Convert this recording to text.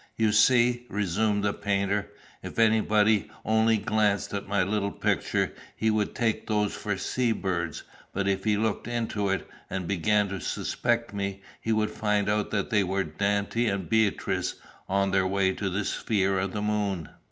"You see," resumed the painter, "if anybody only glanced at my little picture, he would take those for sea birds; but if he looked into it, and began to suspect me, he would find out that they were Dante and Beatrice on their way to the sphere of the moon."